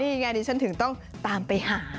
นี่ไงดิฉันถึงต้องตามไปหา